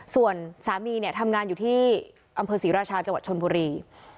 ส่วนสามีเนี่ยทำงานอยู่ที่อำเภอศรีราชาจังหวัดชนบุรี